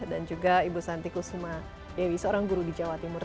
dan juga ibu santi kusuma dewi seorang guru di jawa timur